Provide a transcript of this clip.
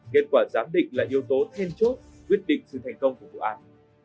kết quả giám định là yếu tố then chốt quyết định sự thành công của vụ án